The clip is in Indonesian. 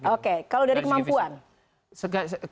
oke kalau dari kemampuan